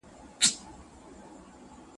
یا خو موږ تر سیورو لنډ وو